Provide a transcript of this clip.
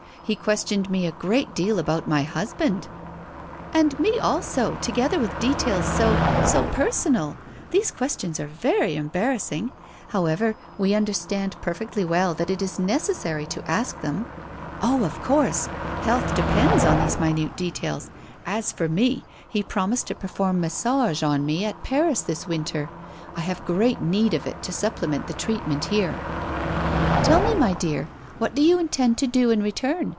He questioned me a great deal about my husband!" "And me, also together with details so so personal! These questions are very embarrassing. However, we understand perfectly well that it is necessary to ask them." "Oh! of course. Health depends on these minute details. As for me, he promised to perform massage on me at Paris this winter. I have great need of it to supplement the treatment here." "Tell me, my dear, what do you intend to do in return?